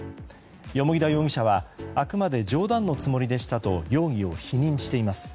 蓬田容疑者はあくまで冗談のつもりでしたと容疑を否認しています。